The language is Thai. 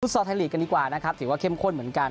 ซอลไทยลีกกันดีกว่านะครับถือว่าเข้มข้นเหมือนกัน